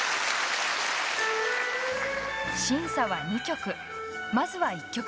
審査は２曲。